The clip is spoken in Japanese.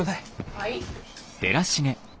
はい。